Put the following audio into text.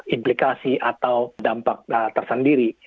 implikasi atau dampak tersendiri